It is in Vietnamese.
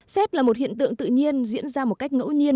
xét là một hiện tượng tự nhiên diễn ra một cách ngẫu nhiên